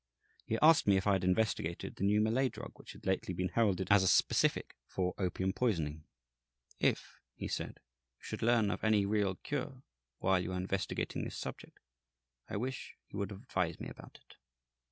He asked me if I had investigated the new Malay drug which had lately been heralded as a specific for opium poisoning. "If," he said, "you should learn of any real cure, while you are investigating this subject, I wish you would advise me about it."